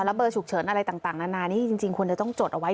เบอร์ฉุกเฉินอะไรต่างนานานี่จริงควรจะต้องจดเอาไว้